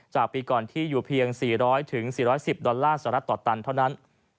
จากปีก่อนที่อยู่เพียง๔๐๐๔๑๐ดอลลาร์สหรัฐต่อตันเท่านั้น